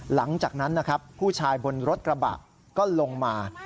หลังจากนั้นนะครับผู้ชายบนรถกระบะก็ลงมา